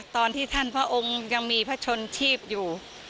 ตอนที่ท่านพระองค์ยังมีพระชนชีพอยู่